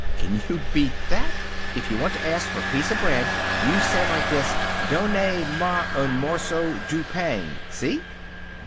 Can you beat that? If you want to ask for a piece of bread, you say like this: DONNAY MA UN MORSO DOO PANG. See?"